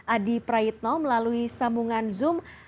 adi praitno melalui sambungan zoom